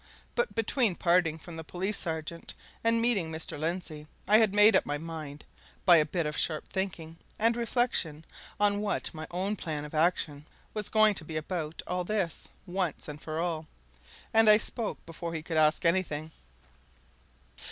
But between parting from the police sergeant and meeting Mr. Lindsey, I had made up my mind, by a bit of sharp thinking and reflection, on what my own plan of action was going to be about all this, once and for all, and I spoke before he could ask anything.